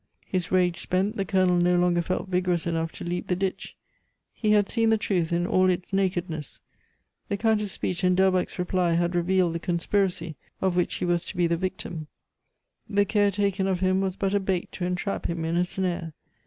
His rage spent, the Colonel no longer felt vigorous enough to leap the ditch. He had seen the truth in all its nakedness. The Countess' speech and Delbecq's reply had revealed the conspiracy of which he was to be the victim. The care taken of him was but a bait to entrap him in a snare.